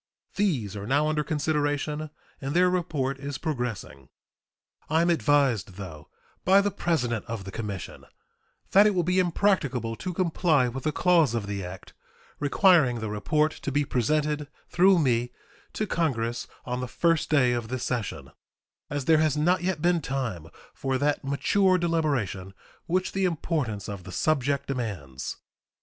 These are now under consideration, and their report is progressing. I am advised, though, by the president of the commission that it will be impracticable to comply with the clause of the act requiring the report to be presented, through me, to Congress on the first day of this session, as there has not yet been time for that mature deliberation which the importance of the subject demands.